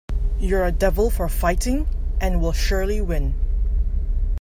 You're a devil for fighting, and will surely win.